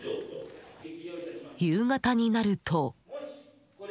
夕方になると。